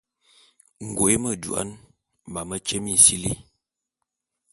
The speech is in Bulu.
Ngoe medouan, mametye minsili.